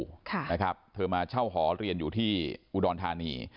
ค่ะนะครับเธอมาเช่าหอเรียนอยู่ที่อุดรธานี